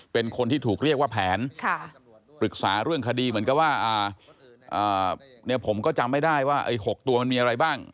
เป็นคนที่ถูกเรียกว่าแผนปรึกษาเรื่องคดีเหมือนกับว่าผมก็จำไม่ได้ว่าไอ้๖ตัวมันมีอะไรบ้าง